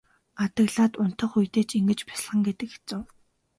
Адаглаад унтах үедээ ч ингэж бясалгана гэдэг хэцүү.